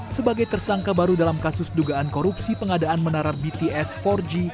sebagai tersangka baru dalam kasus dugaan korupsi pengadaan menara bts empat g